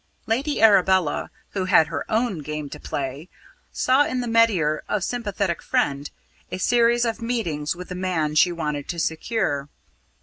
Lady Arabella, who had her own game to play, saw in the metier of sympathetic friend, a series of meetings with the man she wanted to secure.